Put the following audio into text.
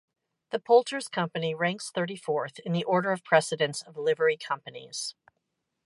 The Poulters' Company ranks thirty-fourth in the order of precedence of Livery Companies.